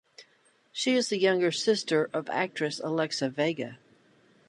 She is the younger sister of actress Alexa Vega.